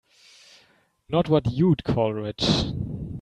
Not what you'd call rich.